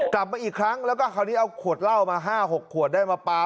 กลับมาอีกครั้งแล้วก็คราวนี้เอาขวดเหล้ามา๕๖ขวดได้มาปลา